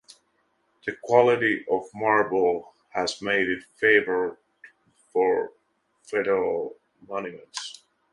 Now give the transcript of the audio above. The quality of the marble has made it favored for federal monuments.